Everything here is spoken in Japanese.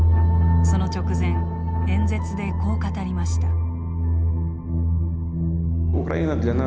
その直前演説でこう語りました。